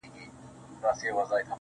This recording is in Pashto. • سم داسي ښكاري راته.